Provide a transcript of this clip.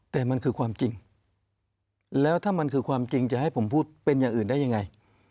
แต่มันคือความจริงแล้วถ้ามันคือความจริงจะให้ผมพูดเป็นอย่างอื่นได้ยังไง